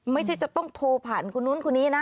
ไม่ใช่จะต้องโทรผ่านคุณนู้นคุณนี้นะ